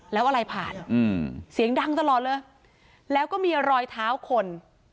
แล้วอะไรผ่านเสียงดังตลอดเลยแล้วก็มีรอยเท้าคน